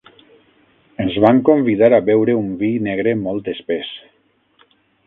Ens van convidar a beure un vi negre molt espès.